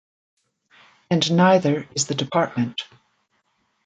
And neither is the department.